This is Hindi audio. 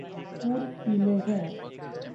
फूल पीले हैं।